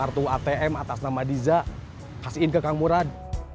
kartu atm atas nama diza kasihin ke kang murad